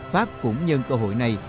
pháp cũng nhân cơ hội này